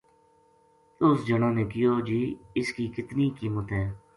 اُس جنا نے کہیو جی اِس کی کتنی قیمت ہے